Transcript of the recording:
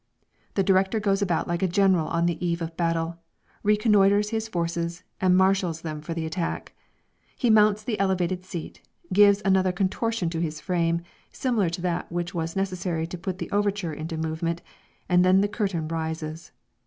The director goes about like a general on the eve of battle, reconnoitres his forces, and marshals them for the attack. He mounts the elevated seat, gives another contortion to his frame, similar to that which was necessary to put the overture in movement, and then the curtain rises.